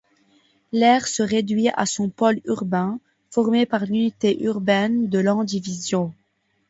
L'aire se réduit à son pôle urbain, formé par l'unité urbaine de Landivisiau.